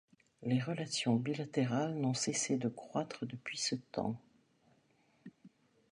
Les relations bilatérales n'ont cessé de croître depuis ce temps.